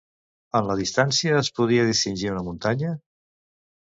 En la distància es podia distingir una muntanya?